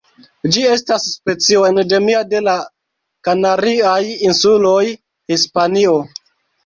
Ĝi estas specio endemia de la Kanariaj Insuloj, Hispanio.